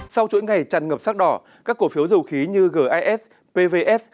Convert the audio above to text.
sau chuỗi ngày chăn ngập sắc đỏ các cổ phiếu dầu khí như gis pvs